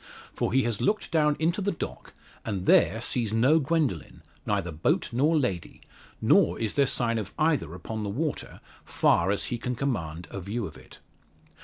For he has looked down into the dock, and there sees no Gwendoline neither boat nor lady nor is there sign of either upon the water, far as he can command a view of it.